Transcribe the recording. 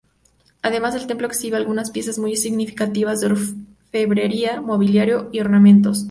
Además el templo exhibe algunas piezas muy significativas de orfebrería, mobiliario y ornamentos.